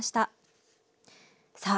さあ